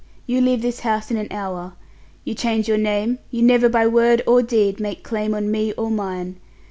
You leave this house in an hour. You change your name; you never by word or deed make claim on me or mine.